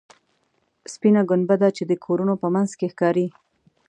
سپینه ګنبده چې د کورونو په منځ کې ښکاري.